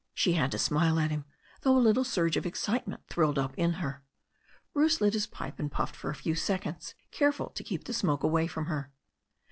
She had to smile at him, though a little surge of excite ment thrilled up in her. Bruce lit his pipe and puffed for a few seconds, careful to keep the smoke away from her.